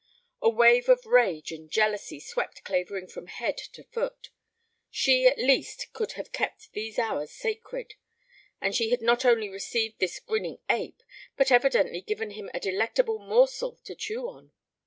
A wave of rage and jealousy swept Clavering from head to foot. She, at least, could have kept these hours sacred, and she had not only received this grinning ape, but evidently given him a delectable morsel to chew on.